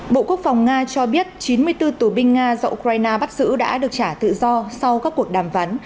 bộ quốc phòng nga cho biết chín mươi bốn tù binh nga do ukraine bắt giữ đã được trả tự do sau các cuộc đàm phán